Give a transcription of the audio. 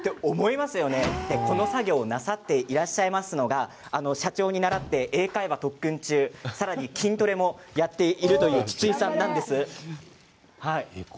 この作業をやっていらっしゃるのが社長に習って英会話を特訓中さらに筋トレもやっているというただ従業員の筒井さんです。